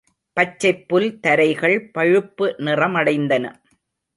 பச்சைப்புல் தரைகள் பழுப்பு நிறமடைந்தன.